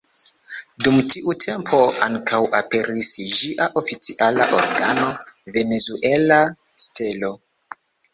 Dum tiu tempo ankaŭ aperis ĝia oficiala organo "Venezuela Stelo".